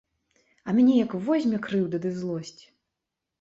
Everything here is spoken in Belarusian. А мяне як возьме крыўда ды злосць.